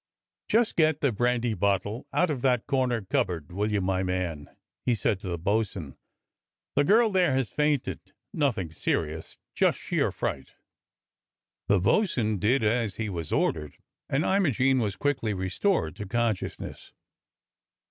*' Just get the brandy bottle out of that corner cup board, will you, my man.^ " he said to the bo'sun. "The girl there has fainted. Nothing serious, just sheer fright." The bo'sun did as he was ordered, and Imogene was quickly restored to consciousness.